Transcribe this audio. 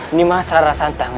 ini masalah santang